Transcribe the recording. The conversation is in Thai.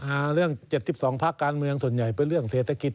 เรื่อง๗๒พักการเมืองส่วนใหญ่เป็นเรื่องเศรษฐกิจ